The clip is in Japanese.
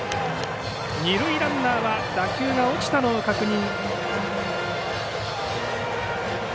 二塁ランナーは打球が落ちたのを確認。